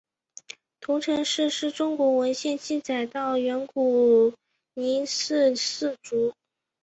彤城氏是中国文献记载到的远古姒姓氏族。